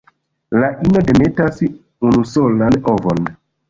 La ino demetas unusolan ovon.